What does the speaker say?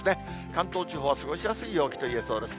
関東地方は過ごしやすい陽気といえそうです。